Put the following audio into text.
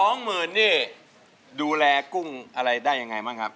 ๒๐๐๐๐เนี่ยดูแลกุ้งอะไรได้อย่างไรบ้างครับ